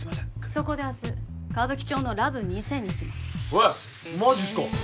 そこで明日歌舞伎町のラブ２０００に行きますえっマジっすか！